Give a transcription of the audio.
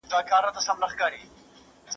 ¬ په خندا پسې ژړا سته.